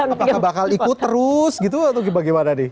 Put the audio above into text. apakah bakal ikut terus gitu atau bagaimana nih